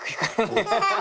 アハハハ。